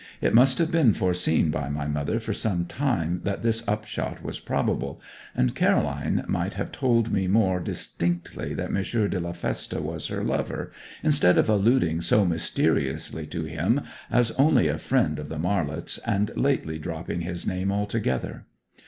It must have been foreseen by my mother for some time that this upshot was probable, and Caroline might have told me more distinctly that M. de la Feste was her lover, instead of alluding so mysteriously to him as only a friend of the Marlets, and lately dropping his name altogether.